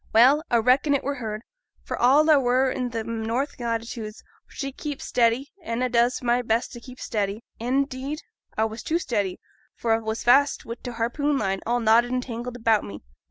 Well, a reckon it were heerd, for all a were i' them north latitudes, for she keeps steady, an' a does my best for t' keep steady; an' 'deed a was too steady, for a was fast wi' t' harpoon line, all knotted and tangled about me.